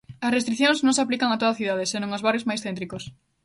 As restricións non se aplican a toda a cidade, senón aos barrios máis céntricos.